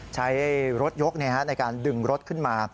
ใช้รถยกในการดึงรถขึ้นมา